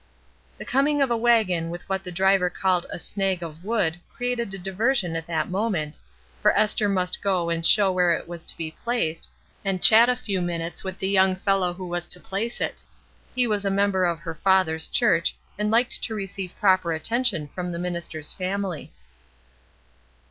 The coming of a wagon with what the driver called a ''snag of wood" created a diversion at that moment, for Esther must go and show where it was to be placed and chat a few minutes with the young fellow who was to place it ; he was a member of her father's church and liked to re ceive proper attention from the minister's family.